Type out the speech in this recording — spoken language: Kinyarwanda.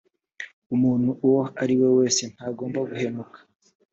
umuntu uwo ari we wese ntagomba guhemuka.